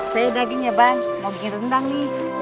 saya dagingnya bang mau bikin rendang nih